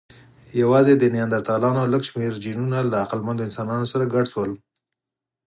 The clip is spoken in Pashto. یواځې د نیاندرتالانو لږ شمېر جینونه له عقلمنو انسانانو سره ګډ شول.